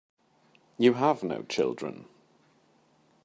You have no children.